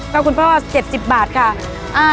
คุณพ่อ๗๐บาทค่ะ